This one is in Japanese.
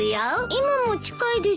今も近いですよ？